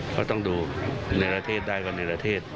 ก็ต้องดูในรเทศได้กว่าในรเทศ